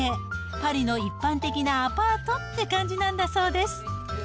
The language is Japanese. パリの一般的なアパートって感じなんだそうです。